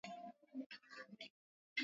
Viambaupishivya kupikia viazi lishe